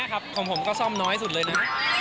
ครับของผมก็ซ่อมน้อยสุดเลยนะ